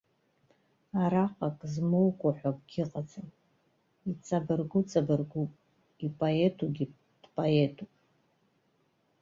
Араҟа ак змоукуа ҳәа акгьы ыҟаӡам, иҵабыргу ҵабыргуп, ипоетугьы дпоетуп.